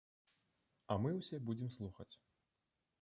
А мы ўсе будзем слухаць.